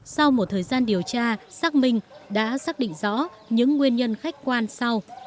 sau một thời gian điều tra xác minh đã xác định rõ những nguyên nhân khách quan sau